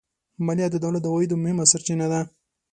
مالیه د دولت د عوایدو مهمه سرچینه ده